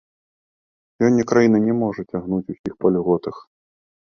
Сёння краіна не можа цягнуць усіх па льготах.